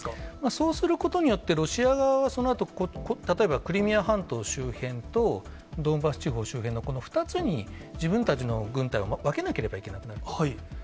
そうすることによって、ロシア側はそのあと、例えば、クリミア半島周辺とドンバス地方周辺のこの２つに自分たちの軍隊を分けなければいけなくなると。